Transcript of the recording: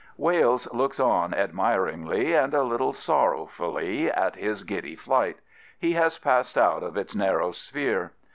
Wales looks on, admiringly and a little sorrow fully, at his giddy flight. He has passed out of its narrow sphere.